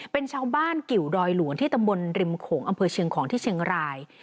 เป็นชาวบ้านกิวดอยหลวงที่ตำบลริมโขงอำเภอเชียงของที่เชียงราย